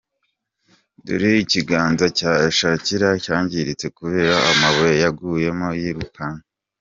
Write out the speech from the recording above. Dore ikiganza cya Shakira cyangiritse kubera amabuye yaguyemo yirukanka.